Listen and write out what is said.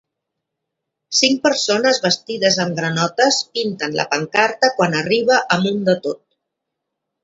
Cinc persones vestides amb granotes pinten la pancarta quan arriba a munt de tot.